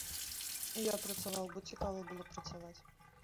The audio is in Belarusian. І я працаваў, бо цікава было працаваць.